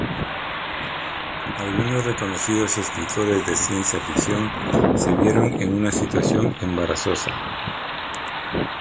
Algunos reconocidos escritores de ciencia ficción se vieron en una situación embarazosa.